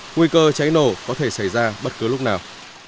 nguy cơ cháy nổ có thể xảy ra bất cứ lúc nào